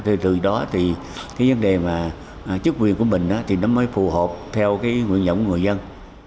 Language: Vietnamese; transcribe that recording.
thì từ đó thì cái vấn đề mà chức quyền của mình thì nó mới phù hợp theo cái nguyện dẫn của người dân